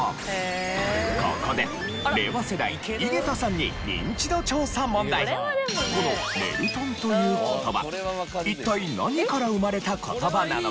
ここで令和世代井桁さんにこの「ねるとん」という言葉一体何から生まれた言葉なのか？